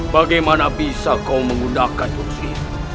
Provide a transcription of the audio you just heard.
bagaimana bisa kau menggunakan kursi